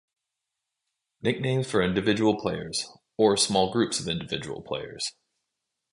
Nicknames for individual players, or small groups of individual players.